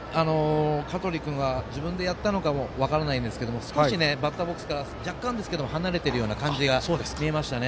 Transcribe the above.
香取君は自分でやったのか分かりませんが少しバッターボックスから若干ですけど離れているような感じが見えましたね。